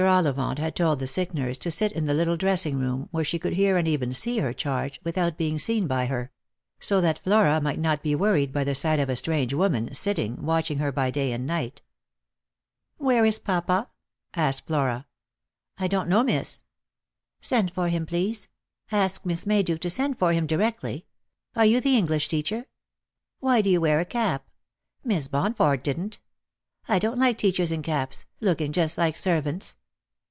Ollivant had told the sick nurse to sit in the little dressing room, where she could hear and even see her charge, without being seen by her; so that Flora might not be worried by the sight of a strange woman sitting watching her by day and night. " Where is papa ?' asked Flora. " I don't know, miss." " Send for him, please. Ask Miss Mayduke to send for him directly. Are you the English teacher P Why do you wear a cap? Miss Bonford didn't. I don't like teachers in caps, looking just like servants."